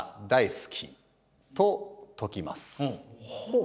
ほう？